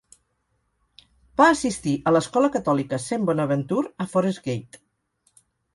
Va assistir a l'escola catòlica Saint Bonaventure, a Forest Gate.